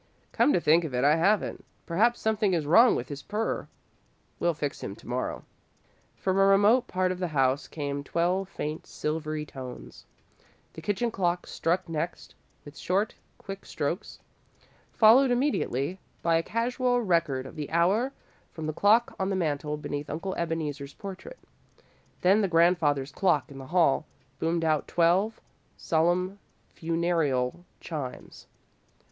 "Come to think of it, I haven't. Perhaps something is wrong with his purrer. We'll fix him to morrow." From a remote part of the house came twelve faint, silvery tones. The kitchen clock struck next, with short, quick strokes, followed immediately by a casual record of the hour from the clock on the mantel beneath Uncle Ebeneezer's portrait. Then the grandfather's clock in the hall boomed out twelve, solemn funereal chimes.